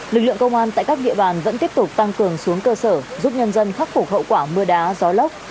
lực lượng công an tại các địa bàn vẫn tiếp tục tăng cường xuống cơ sở giúp nhân dân khắc phục hậu quả mưa đá gió lốc